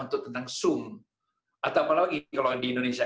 tentang zoom atau apalagi kalau di indonesia